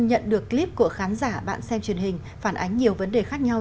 nhận được clip của khán giả bạn xem truyền hình phản ánh nhiều vấn đề khác nhau